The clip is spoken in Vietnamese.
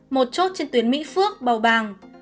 một chốt trên tuyến mỹ phước bào bàng